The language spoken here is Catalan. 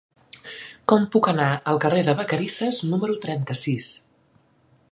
Com puc anar al carrer de Vacarisses número trenta-sis?